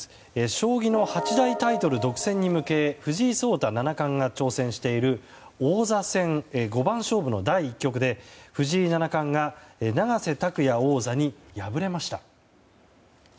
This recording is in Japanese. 将棋の八大タイトル独占に向け藤井聡太七冠が挑戦している王座戦五番勝負の第１局で藤井七冠が永瀬拓矢王座に敗れました。